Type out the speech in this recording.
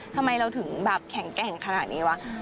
ทำไมเราถึงแบบแข็งแกร่งขนาดนี้วะ